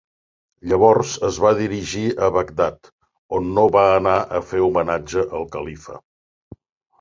Llavors es va dirigir a Bagdad on no va anar a fer homenatge al califa.